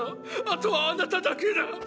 あとはあなただけだッ！